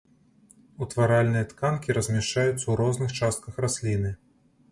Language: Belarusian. Утваральныя тканкі размяшчаюцца ў розных частках расліны.